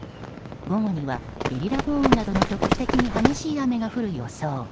午後にはゲリラ豪雨などの局地的に激しい雨が降る予想。